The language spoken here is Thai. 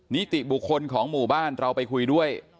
นิติบุคคลของหมู่บ้านเราไปคุยด้วย